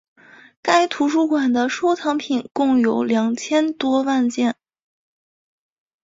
该图书馆的收藏品共有两千多万件。